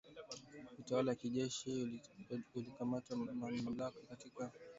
Utawala wa kijeshi ulikamata mamlaka katika mapinduzi ya Januari dhidi ya